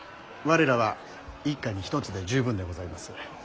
我らは一家に一つで十分でございます。